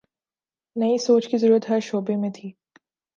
نئی سوچ کی ضرورت ہر شعبے میں تھی۔